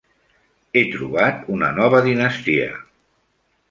He trobat una nova dinastia.